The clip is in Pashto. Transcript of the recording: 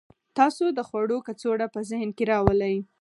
تاسو د خوړو کڅوړه په ذهن کې راولئ